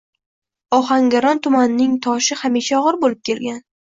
Ohangaron tumanining toshi hamisha ogʻir boʻlib kelgan.